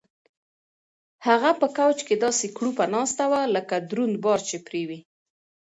هغه په کوچ کې داسې کړوپه ناسته وه لکه دروند بار چې پرې وي.